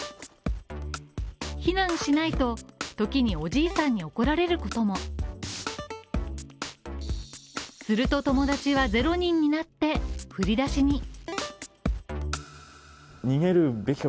避難しないと時におじいさんに怒られることもすると友達は０人になって、振り出しに。